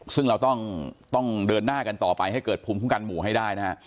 ซึ่งเราต้องเดินหน้ากันต่อไปให้เกิดภูมิคุ้มกันหมู่ให้ได้นะฮะ